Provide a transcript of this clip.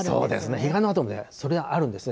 彼岸のあともそれ、あるんですね。